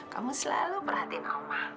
kamu selalu perhatikan oma